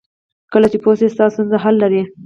کله چې پوه شې ستا ستونزه حل لري.